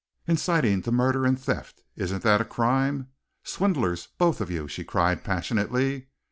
Inciting to murder and theft! Isn't that a crime? Swindlers, both of you!" she cried passionately.